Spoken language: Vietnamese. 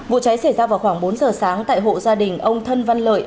vụ cháy xảy ra vào khoảng bốn giờ sáng tại hộ gia đình ông thân văn lợi